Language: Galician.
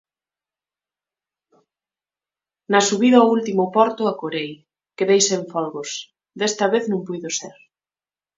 Na subida ao último porto acorei, quedei sen folgos, desta vez non puido ser